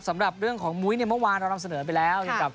สำหรับเรื่องของมุ้บเมื่อวานออกกันไปแล้ว